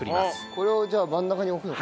これをじゃあ真ん中に置くの？